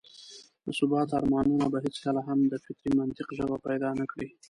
د ثبات ارمانونه به هېڅکله هم د فطري منطق ژبه پيدا نه کړي.